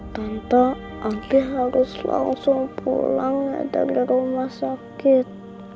tante abi harus langsung pulang dari rumah sakit